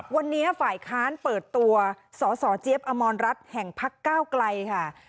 วันนี้ฝ่ายค้านเปิดตัวสสเจี๊ยบอมรรัฐแห่งพักก้าวไกลค่ะ